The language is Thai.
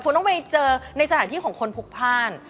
คุณต้องไปเจอในสถานที่ของคนพลุกพ่าน